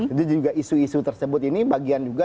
itu juga isu isu tersebut ini bagian juga